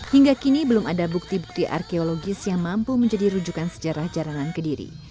hingga kini belum ada bukti bukti arkeologis yang mampu menjadi rujukan sejarah jalanan kediri